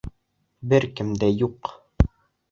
Бер кем дә юҡ!